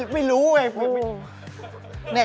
ไม่รู้เว้ย